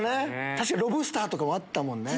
ロブスターとかはあったもんね。